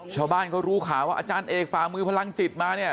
ชาวบ้านเขารู้ข่าวว่าอาจารย์เอกฝ่ามือพลังจิตมาเนี่ย